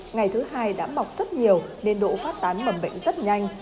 ngày thứ hai đã mọc rất nhiều nên độ phát tán mầm bệnh rất nhanh